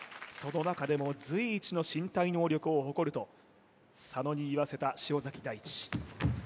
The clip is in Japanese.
その中でも随一の身体能力を誇ると佐野に言わせた塩太智